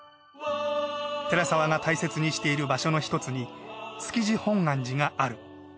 寺澤が大切にしている場所の一つに築地本願寺がある。